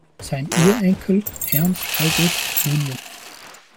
Sein Ur-Enkel Ernst August jr.